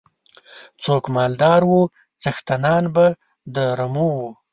څوک مالدار وو څښتنان به د رمو وو.